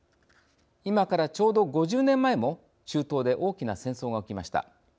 今からちょうど５０年前も中東で大きな戦争が起きました。